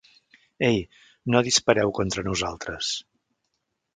Ei! No dispareu contra nosaltres!